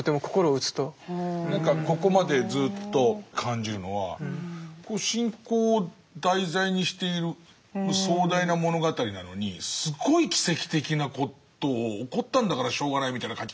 なんかここまでずっと感じるのは信仰を題材にしている壮大な物語なのにすごい奇跡的なことを起こったんだからしょうがないみたいな書き方